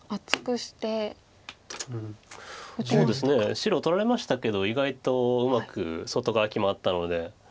白取られましたけど意外とうまく外側決まったので。